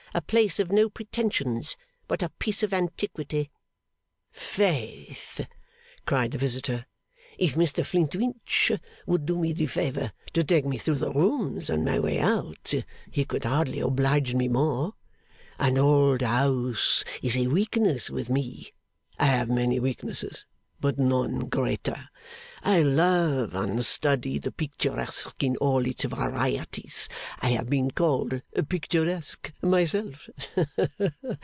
'A place of no pretensions, but a piece of antiquity.' 'Faith!' cried the visitor. 'If Mr Flintwinch would do me the favour to take me through the rooms on my way out, he could hardly oblige me more. An old house is a weakness with me. I have many weaknesses, but none greater. I love and study the picturesque in all its varieties. I have been called picturesque myself.